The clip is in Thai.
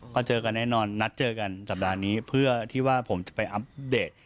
ก็เจอกันแน่นอนนัดเจอกันสัปดาห์นี้เพื่อที่ว่าผมจะไปอัปเดต